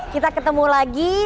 kita ketemu lagi